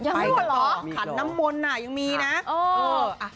๗๕๐ในอีกอย่างน้อย